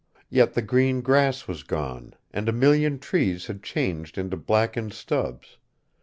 Yet the green grass was gone, and a million trees had changed into blackened stubs.